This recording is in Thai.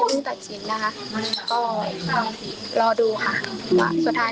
อยากให้สังคมรับรู้ด้วย